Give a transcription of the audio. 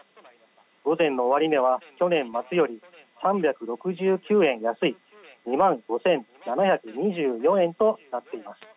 午前の終値は去年末より３６９円安い２万５７２４円となっています。